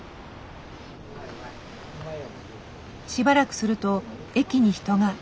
しばらくすると駅に人が。